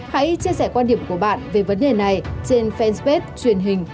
hãy chia sẻ quan điểm của bạn về vấn đề này trên fanpage truyền hình công an nhân dân